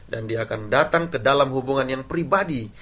dan dia akan datang ke dalam hubungan yang pribadi